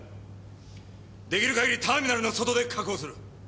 できる限りターミナルの外で確保する。